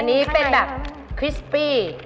อันนี้มันแบบคริสปี้